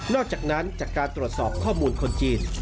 อกจากนั้นจากการตรวจสอบข้อมูลคนจีน